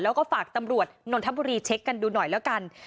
แล้วก็ฝากตำรวจนนทบุรีเช็คกันดูหน่อยแล้วกัน